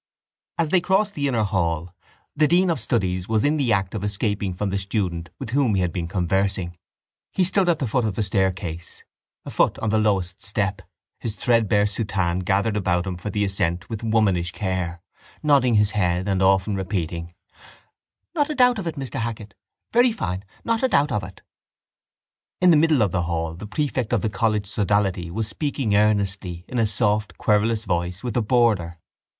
As they crossed the inner hall, the dean of studies was in the act of escaping from the student with whom he had been conversing. He stood at the foot of the staircase, a foot on the lowest step, his threadbare soutane gathered about him for the ascent with womanish care, nodding his head often and repeating: —Not a doubt of it, Mr Hackett! Very fine! Not a doubt of it! In the middle of the hall the prefect of the college sodality was speaking earnestly, in a soft querulous voice, with a boarder.